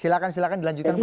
silakan silakan dilanjutkan pak